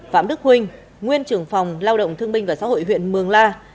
phạm đức huynh nguyên trưởng phòng lao động thương minh và xã hội huyện mường la